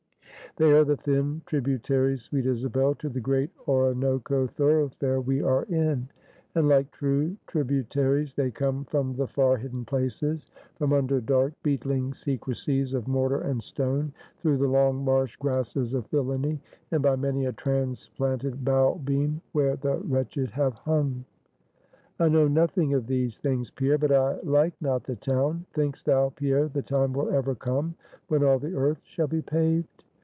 "They are the thin tributaries, sweet Isabel, to the great Oronoco thoroughfare we are in; and like true tributaries, they come from the far hidden places; from under dark beetling secrecies of mortar and stone; through the long marsh grasses of villainy, and by many a transplanted bough beam, where the wretched have hung." "I know nothing of these things, Pierre. But I like not the town. Think'st thou, Pierre, the time will ever come when all the earth shall be paved?"